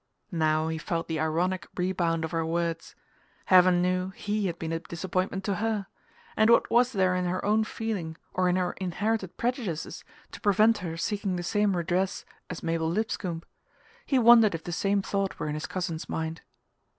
Now he felt the ironic rebound of her words. Heaven knew he had been a disappointment to her; and what was there in her own feeling, or in her inherited prejudices, to prevent her seeking the same redress as Mabel Lipscomb? He wondered if the same thought were in his cousin's mind...